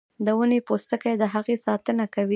د ونې پوستکی د هغې ساتنه کوي